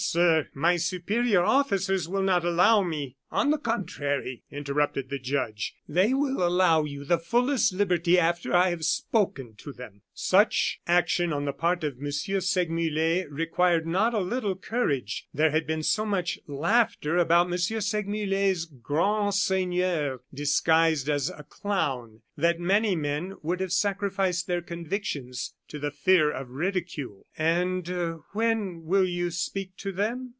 sir, my superior officers will not allow me " "On the contrary," interrupted the judge, "they will allow you the fullest liberty after I have spoken to them." Such action on the part of M. Segmuller required not a little courage. There had been so much laughter about M. Segmuller's grand seigneur, disguised as a clown, that many men would have sacrificed their convictions to the fear of ridicule. "And when will you speak to them?"